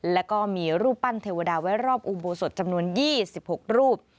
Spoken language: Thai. แล้วก็มีรูปปั้นเทวดาไว้รอบอุโบสถจำนวน๒๖รูป